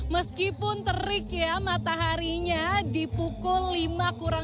meskipun terik ya mataharinya di pukul lima kurang sepuluh ya elvira tetapi sudah cukup terik ya karena